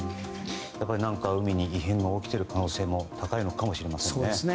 やっぱり海に何か異変が起きてる可能性も高いのかもしれませんね。